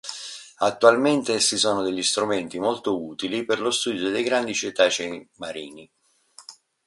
Attualmente essi sono degli strumenti molto utili per lo studio dei grandi cetacei marini.